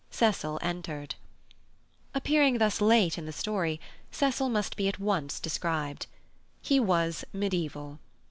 Cecil entered. Appearing thus late in the story, Cecil must be at once described. He was medieval.